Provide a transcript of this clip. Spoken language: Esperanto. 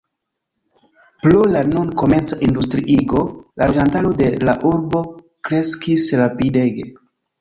Pro la nun komenca industriigo la loĝantaro de la urbo kreskis rapidege.